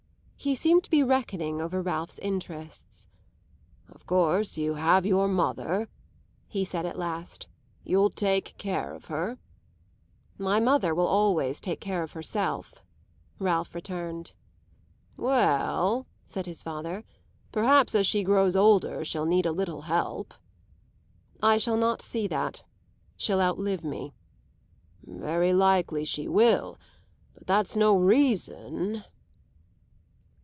He seemed to be reckoning over Ralph's interests. "Of course you have your mother," he said at last. "You'll take care of her." "My mother will always take care of herself," Ralph returned. "Well," said his father, "perhaps as she grows older she'll need a little help." "I shall not see that. She'll outlive me." "Very likely she will; but that's no reason